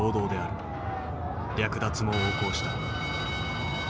略奪も横行した。